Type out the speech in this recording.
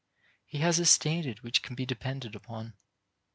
He has a standard which can be depended upon.